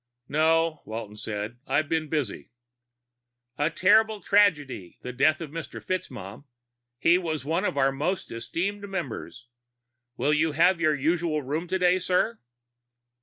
"No," Walton said. "I've been busy." "A terrible tragedy, the death of Mr. FitzMaugham. He was one of our most esteemed members. Will you have your usual room today, sir?"